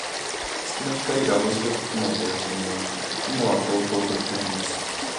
月の光が青白く雲を照らしています。雲はこうこうと光ります。